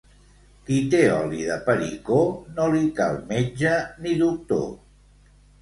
Qui té oli de pericó no li cal metge ni doctor.